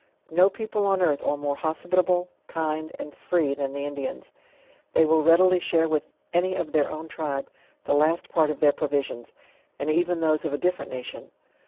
No people on earth are more hospitable, kind, and free, than the Indians. They will readily share with any of their own tribe the last part of their provisions, and even those of a different nation.